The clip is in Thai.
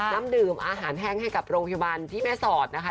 น้ำดื่มอาหารแห้งให้กับโรงพยาบาลที่แม่สอดนะคะ